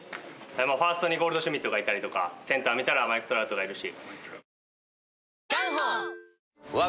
ファーストにゴールドシュミットがいたりとかセンター見たらマイク・トラウトがいるし。